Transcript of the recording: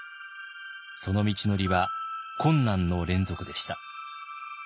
その道のりは困難の連続でした。